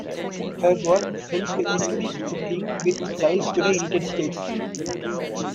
Her work helped introduce cooking with chiles to the United States.